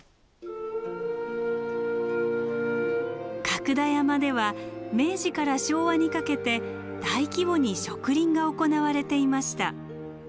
角田山では明治から昭和にかけて大規模に植林が行われていました。